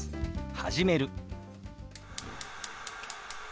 「始める」。